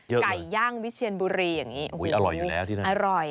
ไก่ย่างวิเชียนบุรีอย่างนี้อร่อยอยู่แล้วที่นั่นอร่อย